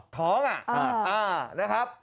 ถ้องอะนะครับ